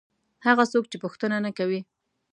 هغه څوک چې پوښتنه نه کوي.